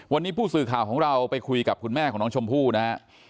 วันนี้ผู้สื่อข่าวของเราไปคุยกับคุณแม่ของน้องชมพู่นะฮะ